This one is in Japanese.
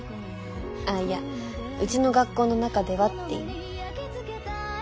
あっいや「うちの学校の中では」って意味。